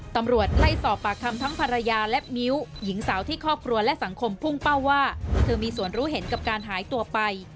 ตำรวจไล่สอบปากคำทั้งภรรยาและมิ้วหญิงสาวที่ครอบครัวและสังคมพุ่งเป้าว่าเธอมีส่วนรู้เห็นกับการหายตัวไป